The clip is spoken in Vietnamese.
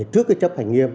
trước chấp hành nghiêm